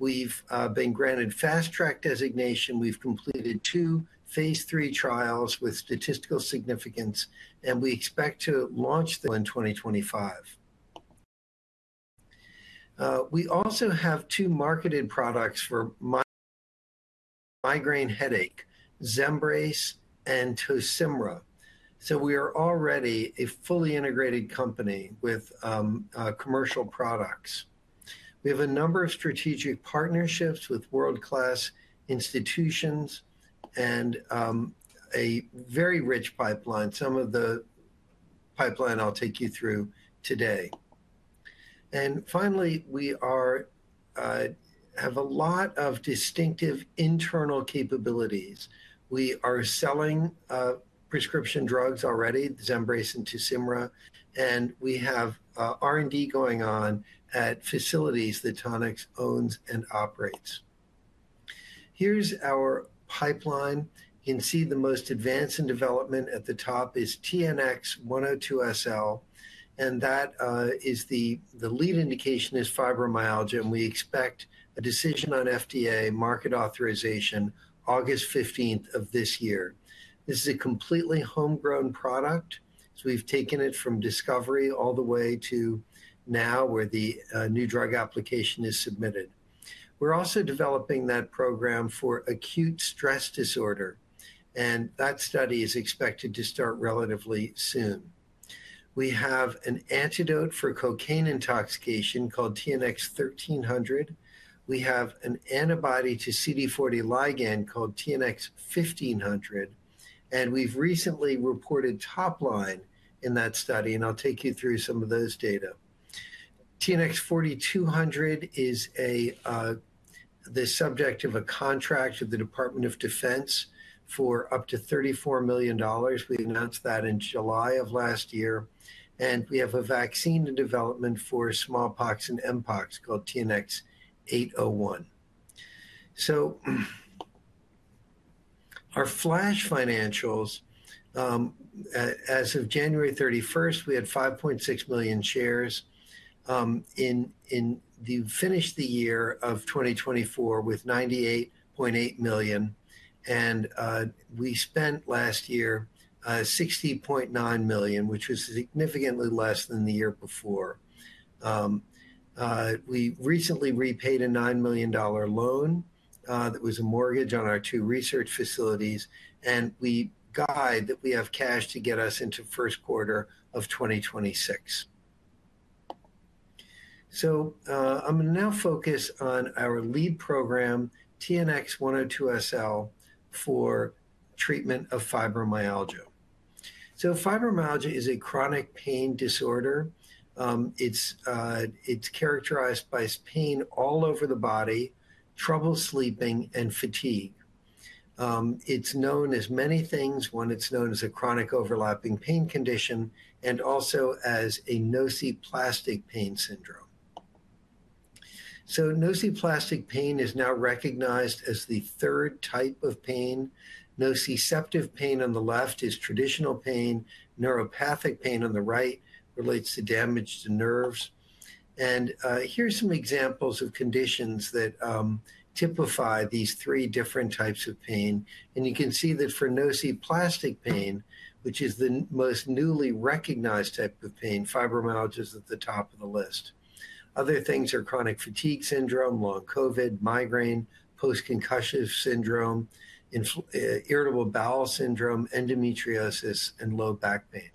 We've been granted Fast Track designation. We've completed two phase III trials with statistical significance, and we expect to launch in 2025. We also have two marketed products for migraine headache: Zembrace and Tosymra. We are already a fully integrated company with commercial products. We have a number of strategic partnerships with world-class institutions and a very rich pipeline. Some of the pipeline I'll take you through today. Finally, we have a lot of distinctive internal capabilities. We are selling prescription drugs already, Zembrace and Tosymra, and we have R&D going on at facilities that Tonix owns and operates. Here's our pipeline. You can see the most advanced in development at the top is TNX-102 SL, and that is the lead indication is fibromyalgia, and we expect a decision on FDA market authorization August 15 of this year. This is a completely homegrown product, so we've taken it from discovery all the way to now where the new drug application is submitted. We're also developing that program for acute stress disorder, and that study is expected to start relatively soon. We have an antidote for cocaine intoxication called TNX-1300. We have an antibody to CD40 ligand called TNX-1500, and we've recently reported top line in that study, and I'll take you through some of those data. TNX-4200 is the subject of a contract with the Department of Defense for up to $34 million. We announced that in July of last year, and we have a vaccine in development for smallpox and mpox called TNX-801. Our Flash financials, as of January 31, we had 5.6 million shares. In the fiscal year of 2024, we're at $98.8 million, and we spent last year $60.9 million, which was significantly less than the year before. We recently repaid a $9 million loan that was a mortgage on our two research facilities, and we guide that we have cash to get us into first quarter of 2026. I'm going to now focus on our lead program, TNX-102 SL, for treatment of fibromyalgia. Fibromyalgia is a chronic pain disorder. It's characterized by pain all over the body, trouble sleeping, and fatigue. It's known as many things when it's known as a chronic overlapping pain condition and also as a nociplastic pain syndrome. Nociplastic pain is now recognized as the third type of pain. Nociceptive pain on the left is traditional pain. Neuropathic pain on the right relates to damage to nerves. Here are some examples of conditions that typify these three different types of pain. You can see that for nociplastic pain, which is the most newly recognized type of pain, fibromyalgia is at the top of the list. Other things are chronic fatigue syndrome, long COVID, migraine, post-concussive syndrome, irritable bowel syndrome, endometriosis, and low back pain.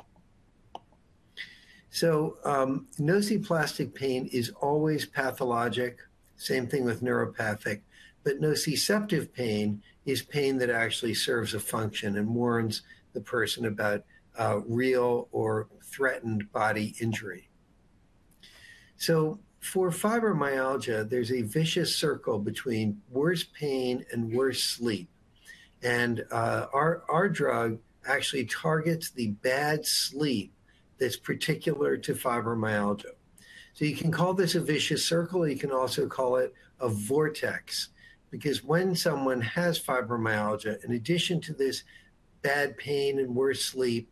Nociplastic pain is always pathologic, same thing with neuropathic, but nociceptive pain is pain that actually serves a function and warns the person about real or threatened body injury. For fibromyalgia, there is a vicious circle between worse pain and worse sleep. Our drug actually targets the bad sleep that is particular to fibromyalgia. You can call this a vicious circle. You can also call it a vortex because when someone has fibromyalgia, in addition to this bad pain and worse sleep,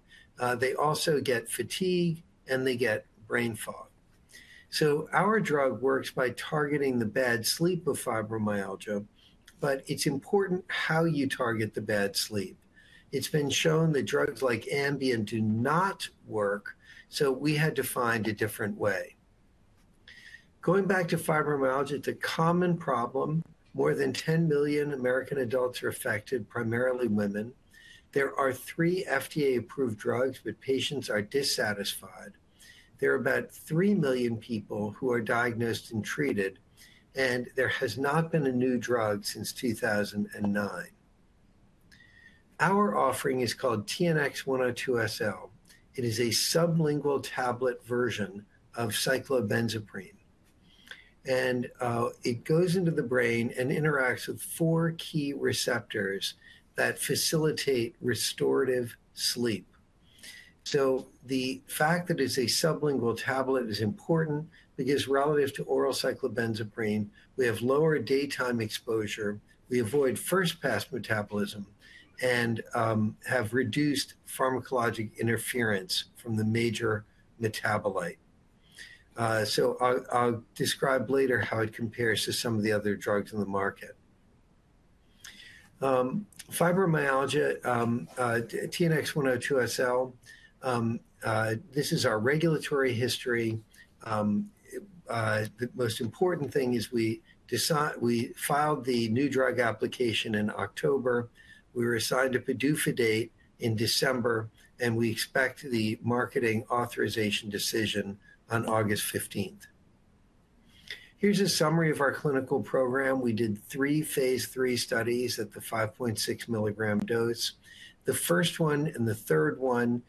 they also get fatigue and they get brain fog. Our drug works by targeting the bad sleep of fibromyalgia, but it's important how you target the bad sleep. It's been shown that drugs like Ambien do not work, so we had to find a different way. Going back to fibromyalgia, it's a common problem. More than 10 million American adults are affected, primarily women. There are three FDA-approved drugs, but patients are dissatisfied. There are about 3 million people who are diagnosed and treated, and there has not been a new drug since 2009. Our offering is called TNX 102SL. It is a sublingual tablet version of cyclobenzaprine, and it goes into the brain and interacts with four key receptors that facilitate restorative sleep. The fact that it's a sublingual tablet is important because relative to oral cyclobenzaprine, we have lower daytime exposure, we avoid first-pass metabolism, and have reduced pharmacologic interference from the major metabolite. I'll describe later how it compares to some of the other drugs in the market. TNX 102SL, this is our regulatory history. The most important thing is we filed the new drug application in October. We were assigned a PDUFA date in December, and we expect the marketing authorization decision on August 15th. Here's a summary of our clinical program. We did three phase III studies at the 5.6 milligram dose. The first one and the third one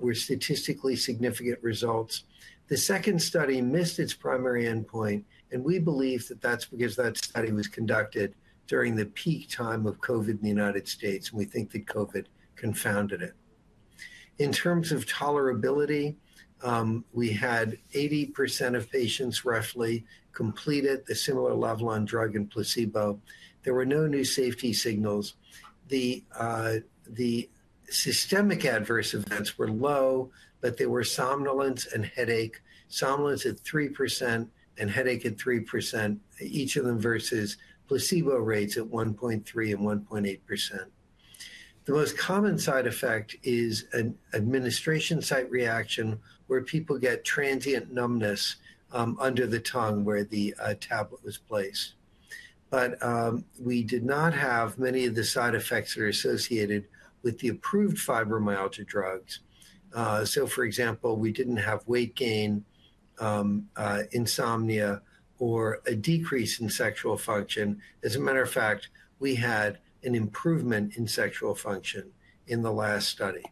were statistically significant results. The second study missed its primary endpoint, and we believe that that's because that study was conducted during the peak time of COVID in the United States, and we think that COVID confounded it. In terms of tolerability, we had 80% of patients roughly completed at the similar level on drug and placebo. There were no new safety signals. The systemic adverse events were low, but there were somnolence and headache, somnolence at 3% and headache at 3%, each of them versus placebo rates at 1.3% and 1.8%. The most common side effect is an administration site reaction where people get transient numbness under the tongue where the tablet was placed. We did not have many of the side effects that are associated with the approved fibromyalgia drugs. For example, we did not have weight gain, insomnia, or a decrease in sexual function. As a matter of fact, we had an improvement in sexual function in the last study.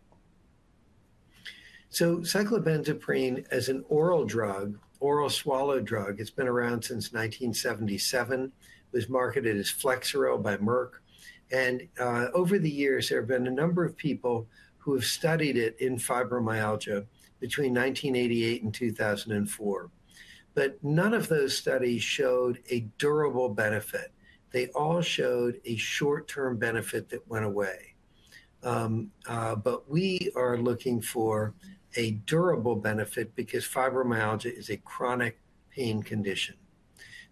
Cyclobenzaprine as an oral drug, oral swallow drug, it's been around since 1977. It was marketed as Flexeril by Merck. Over the years, there have been a number of people who have studied it in fibromyalgia between 1988 and 2004. None of those studies showed a durable benefit. They all showed a short-term benefit that went away. We are looking for a durable benefit because fibromyalgia is a chronic pain condition.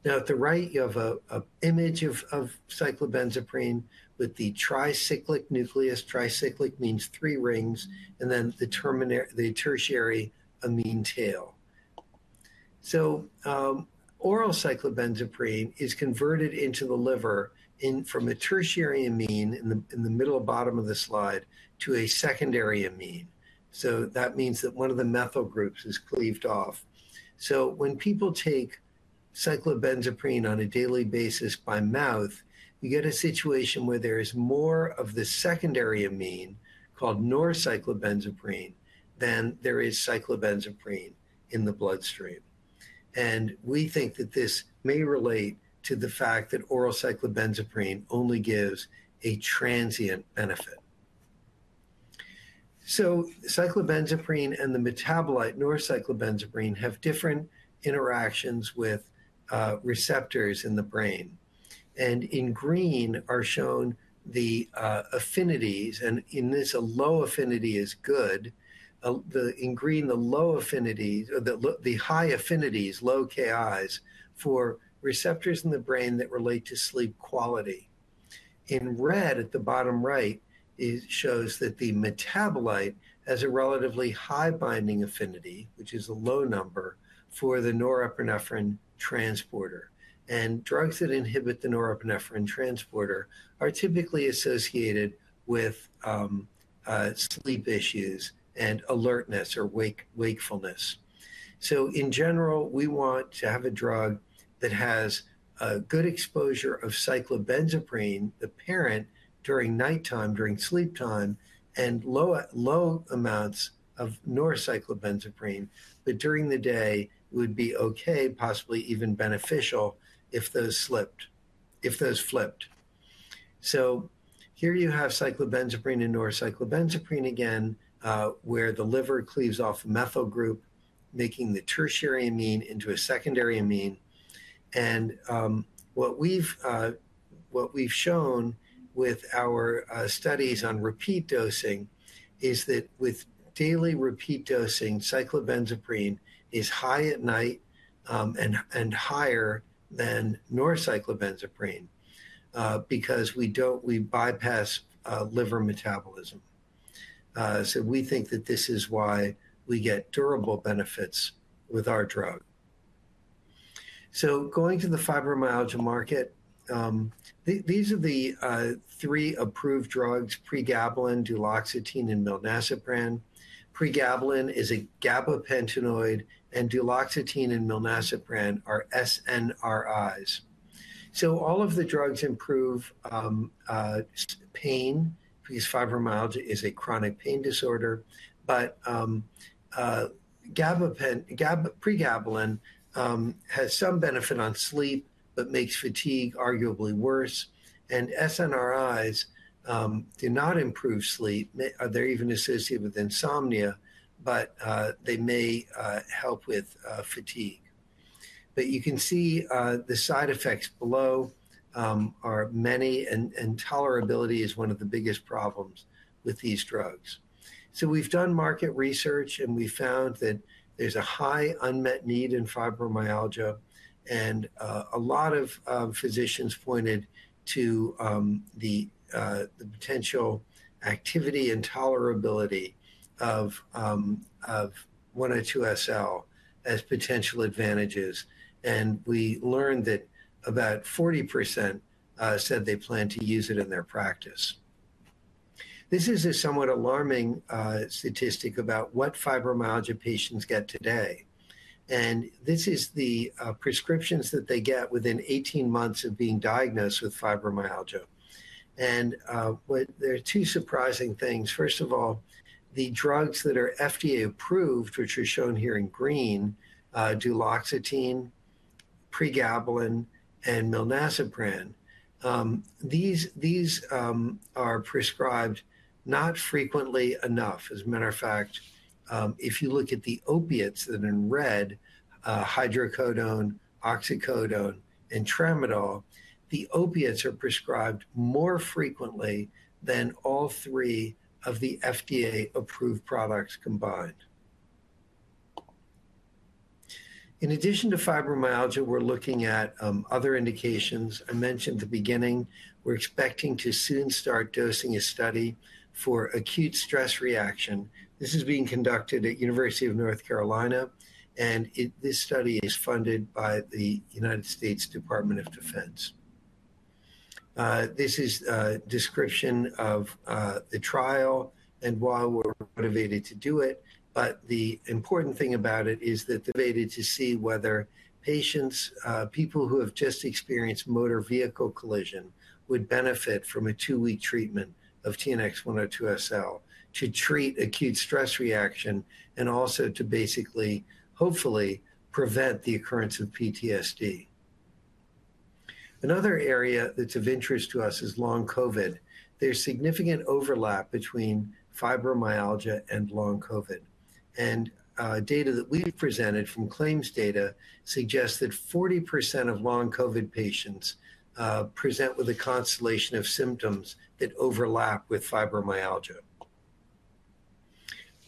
At the right, you have an image of cyclobenzaprine with the tricyclic nucleus. Tricyclic means three rings and then the tertiary amine tail. Oral cyclobenzaprine is converted in the liver from a tertiary amine in the middle bottom of the slide to a secondary amine. That means that one of the methyl groups is cleaved off. When people take cyclobenzaprine on a daily basis by mouth, you get a situation where there is more of the secondary amine called norcyclobenzaprine than there is cyclobenzaprine in the bloodstream. We think that this may relate to the fact that oral cyclobenzaprine only gives a transient benefit. Cyclobenzaprine and the metabolite norcyclobenzaprine have different interactions with receptors in the brain. In green are shown the affinities, and in this, a low affinity is good. In green, the low affinities, the high affinities, low KIs for receptors in the brain that relate to sleep quality. In red at the bottom right, it shows that the metabolite has a relatively high binding affinity, which is a low number for the norepinephrine transporter. Drugs that inhibit the norepinephrine transporter are typically associated with sleep issues and alertness or wakefulness. In general, we want to have a drug that has good exposure of cyclobenzaprine, the parent during nighttime, during sleep time, and low amounts of norcyclobenzaprine. During the day, it would be okay, possibly even beneficial if those flipped. Here you have cyclobenzaprine and norcyclobenzaprine again, where the liver cleaves off a methyl group, making the tertiary amine into a secondary amine. What we've shown with our studies on repeat dosing is that with daily repeat dosing, cyclobenzaprine is high at night and higher than norcyclobenzaprine because we bypass liver metabolism. We think that this is why we get durable benefits with our drug. Going to the fibromyalgia market, these are the three approved drugs: pregabalin, duloxetine, and milnacipran. Pregabalin is a gabapentinoid, and duloxetine and milnacipran are SNRIs. All of the drugs improve pain because fibromyalgia is a chronic pain disorder, but pregabalin has some benefit on sleep but makes fatigue arguably worse. SNRIs do not improve sleep. They're even associated with insomnia, but they may help with fatigue. You can see the side effects below are many, and tolerability is one of the biggest problems with these drugs. We have done market research, and we found that there's a high unmet need in fibromyalgia. A lot of physicians pointed to the potential activity and tolerability of 102SL as potential advantages. We learned that about 40% said they plan to use it in their practice. This is a somewhat alarming statistic about what fibromyalgia patients get today. This is the prescriptions that they get within 18 months of being diagnosed with fibromyalgia. There are two surprising things. First of all, the drugs that are FDA-approved, which are shown here in green, duloxetine, pregabalin, and milnacipran, these are prescribed not frequently enough. As a matter of fact, if you look at the opiates that are in red, hydrocodone, oxycodone, and tramadol, the opiates are prescribed more frequently than all three of the FDA-approved products combined. In addition to fibromyalgia, we're looking at other indications. I mentioned at the beginning, we're expecting to soon start dosing a study for acute stress reaction. This is being conducted at the University of North Carolina, and this study is funded by the United States Department of Defense. This is a description of the trial, and why we're motivated to do it. The important thing about it is that we're motivated to see whether patients, people who have just experienced motor vehicle collision, would benefit from a two-week treatment of TNX 102SL to treat acute stress reaction and also to basically, hopefully, prevent the occurrence of PTSD. Another area that's of interest to us is long COVID. There's significant overlap between fibromyalgia and long COVID. Data that we've presented from claims data suggests that 40% of long COVID patients present with a constellation of symptoms that overlap with fibromyalgia.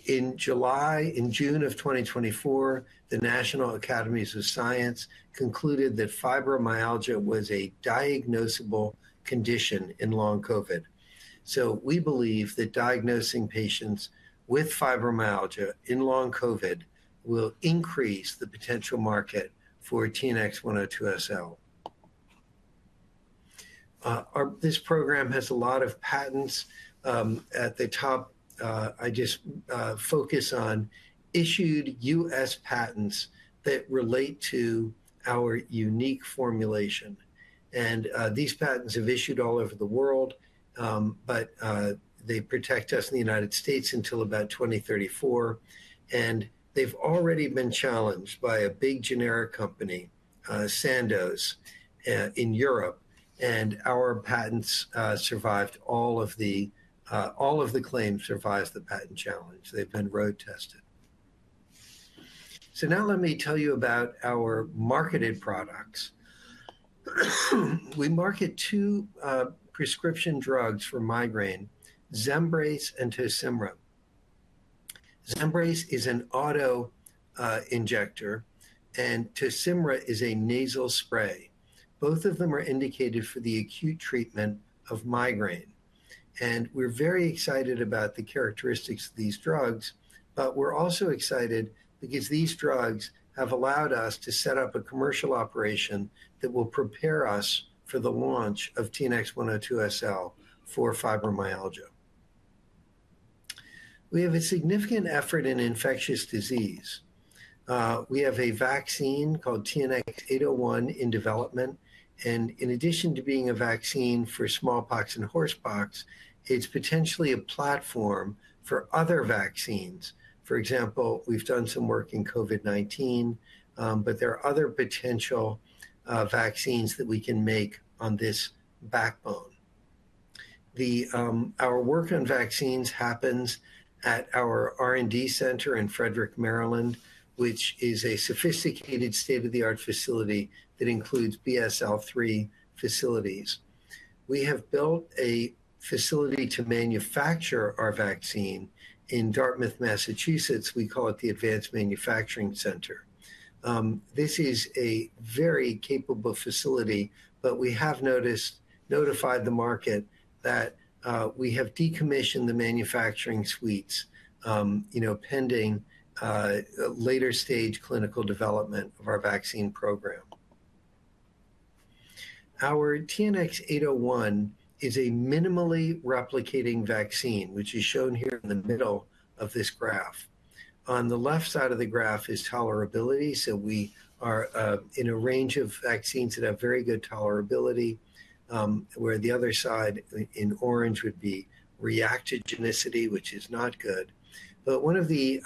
In June of 2024, the National Academies of Science concluded that fibromyalgia was a diagnosable condition in long COVID. We believe that diagnosing patients with fibromyalgia in long COVID will increase the potential market for TNX 102SL. This program has a lot of patents. At the top, I just focus on issued U.S. patents that relate to our unique formulation. These patents have issued all over the world, but they protect us in the United States until about 2034. They've already been challenged by a big generic company, Sandoz, in Europe. Our patents survived, all of the claims survived the patent challenge. They've been road tested. Now let me tell you about our marketed products. We market two prescription drugs for migraine: Zembrace and Tosymra. Zembrace is an auto injector, and Tosymra is a nasal spray. Both of them are indicated for the acute treatment of migraine. We're very excited about the characteristics of these drugs, but we're also excited because these drugs have allowed us to set up a commercial operation that will prepare us for the launch of TNX 102SL for fibromyalgia. We have a significant effort in infectious disease. We have a vaccine called TNX 801 in development. In addition to being a vaccine for smallpox and horsepox, it's potentially a platform for other vaccines. For example, we've done some work in COVID-19, but there are other potential vaccines that we can make on this backbone. Our work on vaccines happens at our R&D center in Frederick, Maryland, which is a sophisticated state-of-the-art facility that includes BSL-3 facilities. We have built a facility to manufacture our vaccine in Dartmouth, Massachusetts. We call it the Advanced Manufacturing Center. This is a very capable facility, but we have notified the market that we have decommissioned the manufacturing suites pending later-stage clinical development of our vaccine program. Our TNX 801 is a minimally replicating vaccine, which is shown here in the middle of this graph. On the left side of the graph is tolerability. We are in a range of vaccines that have very good tolerability, where the other side in orange would be reactogenicity, which is not good. One of the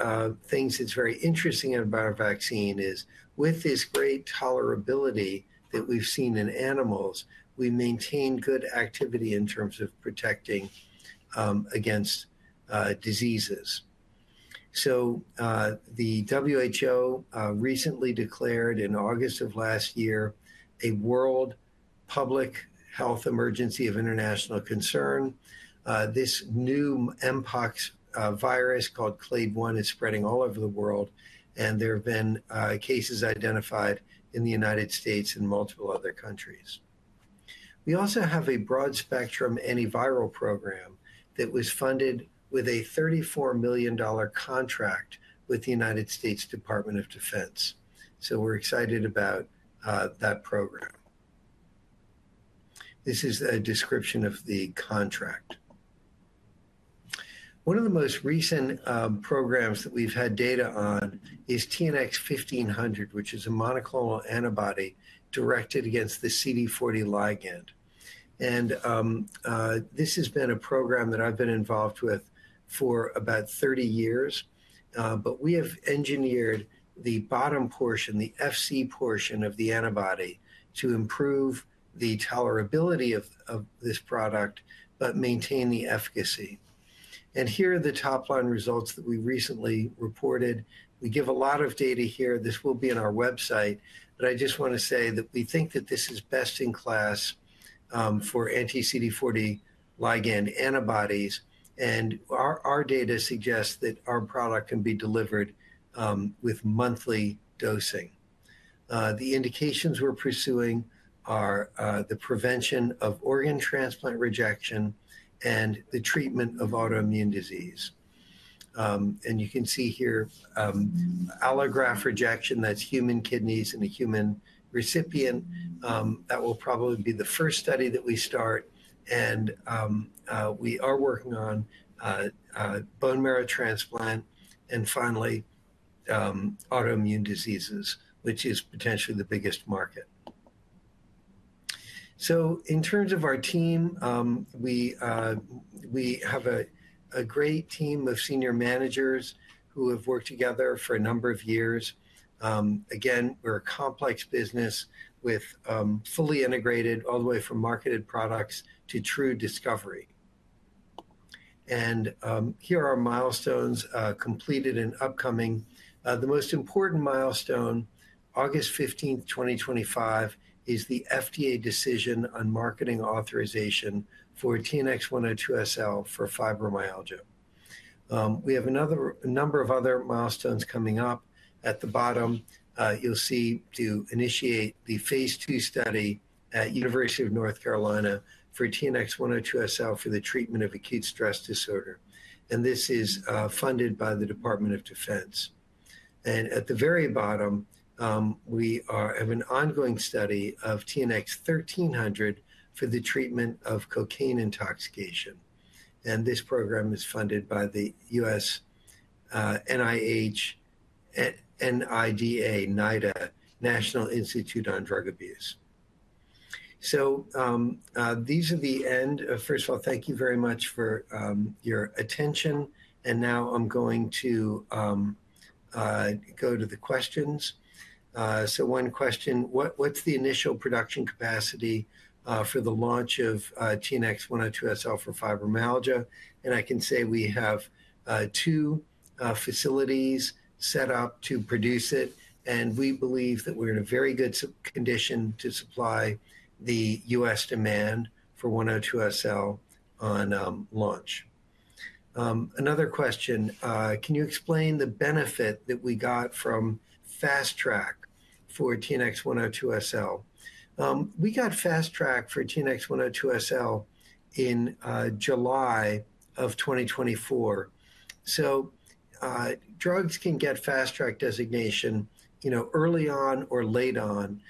things that's very interesting about our vaccine is with this great tolerability that we've seen in animals, we maintain good activity in terms of protecting against diseases. The WHO recently declared in August of last year a world public health emergency of international concern. This new Mpox virus called Clade 1 is spreading all over the world, and there have been cases identified in the United States and multiple other countries. We also have a broad-spectrum antiviral program that was funded with a $34 million contract with the United States Department of Defense. We're excited about that program. This is a description of the contract. One of the most recent programs that we've had data on is TNX 1500, which is a monoclonal antibody directed against the CD40 ligand. This has been a program that I've been involved with for about 30 years. We have engineered the bottom portion, the FC portion of the antibody to improve the tolerability of this product but maintain the efficacy. Here are the top-line results that we recently reported. We give a lot of data here. This will be on our website. I just want to say that we think that this is best in class for anti-CD40 ligand antibodies. Our data suggests that our product can be delivered with monthly dosing. The indications we're pursuing are the prevention of organ transplant rejection and the treatment of autoimmune disease. You can see here allograft rejection. That's human kidneys and a human recipient. That will probably be the first study that we start. We are working on bone marrow transplant and finally autoimmune diseases, which is potentially the biggest market. In terms of our team, we have a great team of senior managers who have worked together for a number of years. Again, we're a complex business with fully integrated all the way from marketed products to true discovery. Here are our milestones completed and upcoming. The most important milestone, August 15, 2025, is the FDA decision on marketing authorization for TNX 102SL for fibromyalgia. We have a number of other milestones coming up. At the bottom, you'll see to initiate the phase two study at the University of North Carolina for TNX 102SL for the treatment of acute stress disorder. This is funded by the Department of Defense. At the very bottom, we have an ongoing study of TNX 1300 for the treatment of cocaine intoxication. This program is funded by the U.S. NIDA, NIDA, National Institute on Drug Abuse. These are the end. First of all, thank you very much for your attention. Now I'm going to go to the questions. One question: what's the initial production capacity for the launch of TNX 102SL for fibromyalgia? I can say we have two facilities set up to produce it. We believe that we're in a very good condition to supply the U.S. demand for 102SL on launch. Another question: can you explain the benefit that we got from Fast Track for TNX 102SL? We got Fast Track for TNX 102SL in July of 2024. Drugs can get Fast Track designation early on or late on.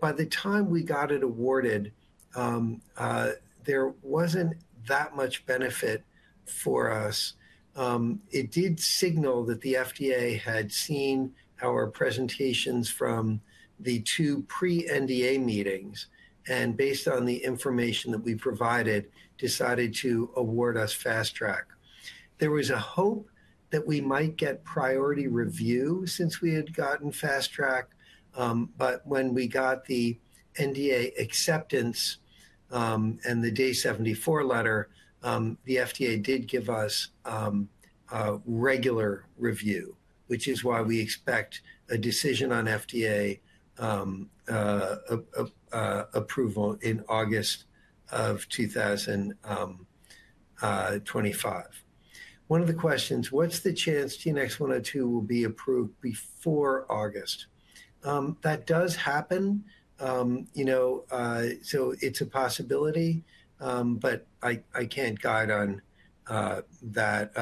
By the time we got it awarded, there wasn't that much benefit for us. It did signal that the FDA had seen our presentations from the two pre-NDA meetings. Based on the information that we provided, decided to award us Fast Track. There was a hope that we might get priority review since we had gotten Fast Track. When we got the NDA acceptance and the day 74 letter, the FDA did give us regular review, which is why we expect a decision on FDA approval in August of 2025. One of the questions: what's the chance TNX 102 will be approved before August? That does happen. It is a possibility, but I can't guide on that.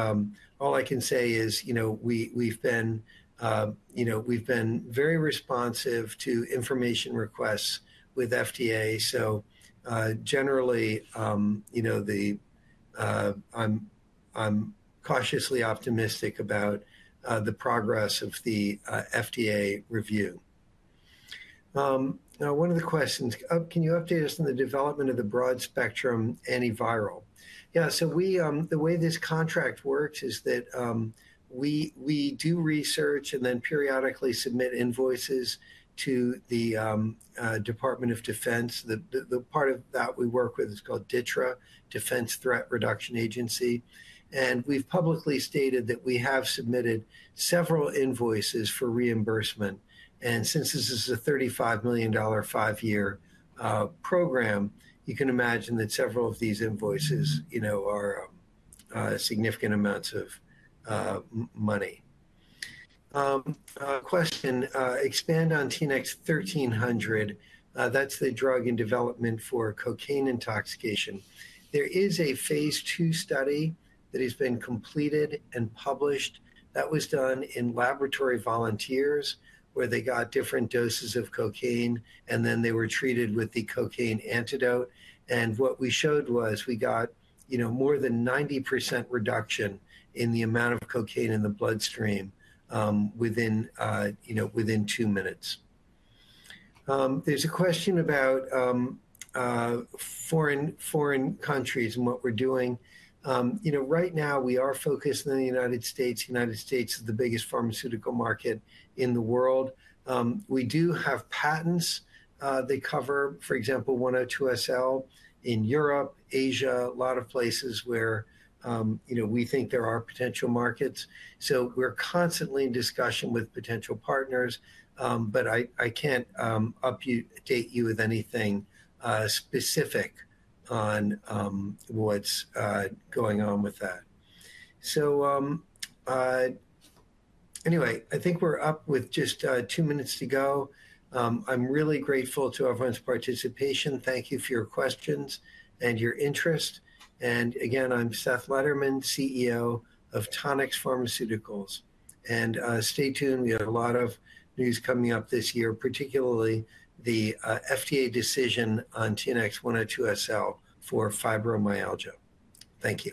All I can say is we've been very responsive to information requests with FDA. Generally, I'm cautiously optimistic about the progress of the FDA review. One of the questions: can you update us on the development of the broad-spectrum antiviral? Yeah. The way this contract works is that we do research and then periodically submit invoices to the Department of Defense. The part of that we work with is called DITRA, Defense Threat Reduction Agency. We've publicly stated that we have submitted several invoices for reimbursement. Since this is a $35 million five-year program, you can imagine that several of these invoices are significant amounts of money. Question: expand on TNX 1300. That's the drug in development for cocaine intoxication. There is a phase two study that has been completed and published. That was done in laboratory volunteers where they got different doses of cocaine, and then they were treated with the cocaine antidote. What we showed was we got more than 90% reduction in the amount of cocaine in the bloodstream within two minutes. There's a question about foreign countries and what we're doing. Right now, we are focused on the United States. The United States is the biggest pharmaceutical market in the world. We do have patents that cover, for example, 102SL in Europe, Asia, a lot of places where we think there are potential markets. We are constantly in discussion with potential partners. I can't update you with anything specific on what's going on with that. I think we're up with just two minutes to go. I'm really grateful to everyone's participation. Thank you for your questions and your interest. Again, I'm Seth Lederman, CEO of Tonix Pharmaceuticals. Stay tuned. We have a lot of news coming up this year, particularly the FDA decision on TNX 102SL for fibromyalgia. Thank you.